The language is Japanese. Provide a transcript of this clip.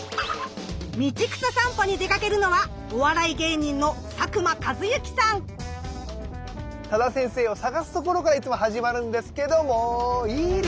道草さんぽに出かけるのは多田先生を捜すところからいつも始まるんですけどもいる！